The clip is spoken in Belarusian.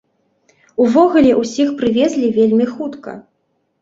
Увогуле ўсіх прывезлі вельмі хутка.